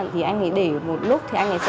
thì anh ấy để một lúc thì anh ấy sẽ